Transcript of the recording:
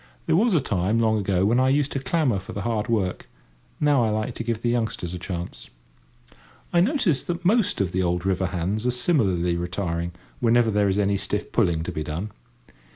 There was a time, long ago, when I used to clamour for the hard work: now I like to give the youngsters a chance. I notice that most of the old river hands are similarly retiring, whenever there is any stiff pulling to be done.